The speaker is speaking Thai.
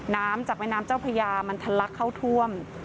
น้ำจากแม่น้ำเจ้าพญามันทะลักเข้าท่วม